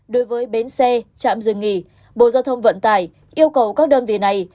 đối với bến xe trạm dừng nghỉ bộ giao thông vận tải yêu cầu các đơn vị này